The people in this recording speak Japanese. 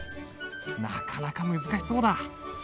なかなか難しそうだ。